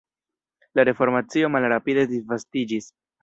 La reformacio malrapide disvastiĝis.